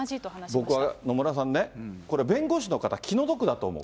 僕は野村さんね、これ、弁護士の方、気の毒だと思う。